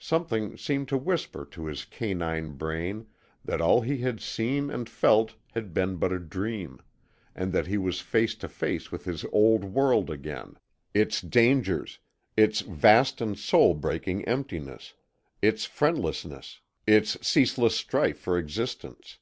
Something seemed to whisper to his canine brain that all he had seen and felt had been but a dream, and that he was face to face with his old world again, its dangers, its vast and soul breaking emptiness, its friendlessness, its ceaseless strife for existence.